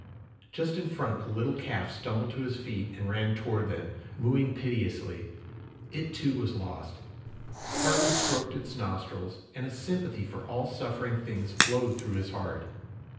Just in front a little calf stumbled to its feet and ran toward them, mooing piteously. It, too, was lost. Cargan stroked its nostrils, and a sympathy for all suffering things flowed through his heart.